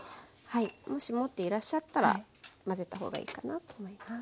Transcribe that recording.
もし持っていらっしゃったら混ぜた方がいいかなと思います。